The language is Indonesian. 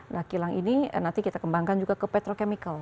nah kilang ini nanti kita kembangkan juga ke petrochemical